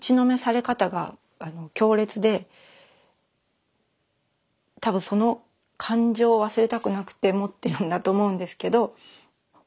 その多分その感情を忘れたくなくて持ってるんだと思うんですけど。